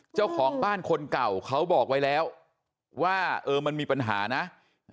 เจ้าของบ้านคนเก่าเขาบอกไว้แล้วว่าเออมันมีปัญหานะ